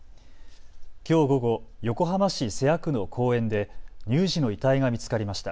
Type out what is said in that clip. きょう午後、横浜市瀬谷区の公園で乳児の遺体が見つかりました。